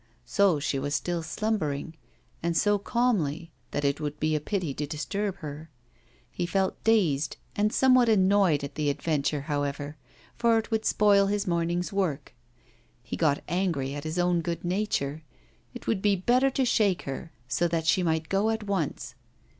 so she was still slumbering, and so calmly, that it would be a pity to disturb her. He felt dazed and somewhat annoyed at the adventure, however, for it would spoil his morning's work. He got angry at his own good nature; it would be better to shake her, so that she might go at once.